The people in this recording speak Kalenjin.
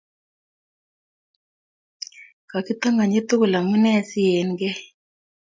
Kokitanganyi tugul amune sienkei